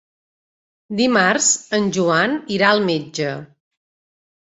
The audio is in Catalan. Dimarts en Joan irà al metge.